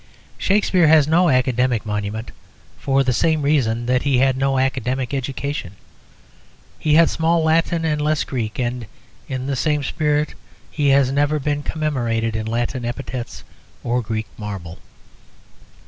Shakspere has no academic monument for the same reason that he had no academic education. He had small Latin and less Greek, and (in the same spirit) he has never been commemorated in Latin epitaphs or Greek marble.